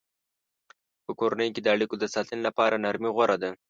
په کورنۍ کې د اړیکو د ساتنې لپاره نرمي غوره ده.